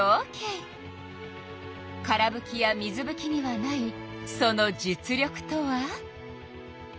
からぶきや水ぶきにはないその実力とは！？